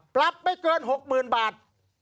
ปรับไม่เกิน๖๐๐๐บาท